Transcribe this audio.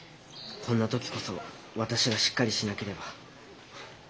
こんな時こそ私がしっかりしなければ。